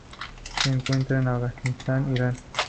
Se encuentra en Afganistán e Irán.